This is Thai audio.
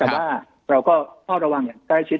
แต่ว่าเราก็เฝ้าระวังอย่างใกล้ชิด